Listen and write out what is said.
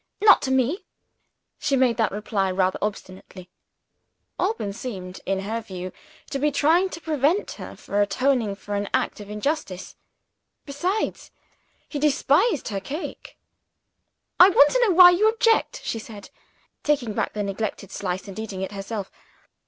"Not to me." She made that reply rather obstinately. Alban seemed (in her view) to be trying to prevent her from atoning for an act of injustice. Besides, he despised her cake. "I want to know why you object," she said; taking back the neglected slice, and eating it herself.